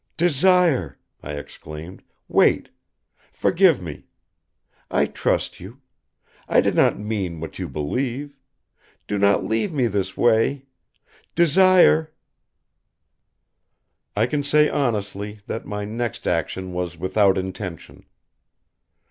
"Desire!" I exclaimed. "Wait. Forgive me. I trust you. I did not mean what you believe. Do not leave me this way. Desire " I can say honestly that my next action was without intention.